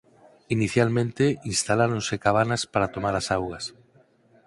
Inicialmente instaláronse cabanas para tomar as augas.